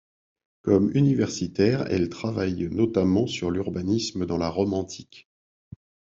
Comme universitaire, elle travaille notamment sur l'urbanisme dans la Rome antique.